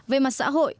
về mặt xã hội